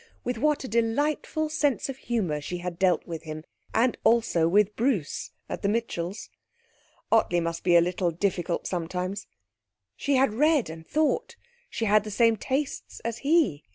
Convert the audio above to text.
With what a delightful sense of humour she had dealt with him, and also with Bruce, at the Mitchells. Ottley must be a little difficult sometimes. She had read and thought; she had the same tastes as he.